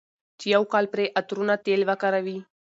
چې يو کال پرې عطرونه، تېل وکاروي،